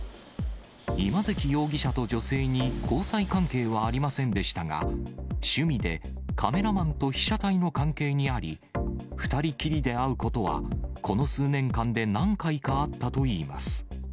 今関容疑者と女性に交際関係はありませんでしたが、趣味でカメラマンと被写体の関係にあり、２人きりで会うことは、この数年間で何回かあったといいます。